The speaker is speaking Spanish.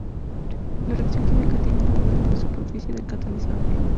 La reacción química tiene lugar en la superficie del catalizador.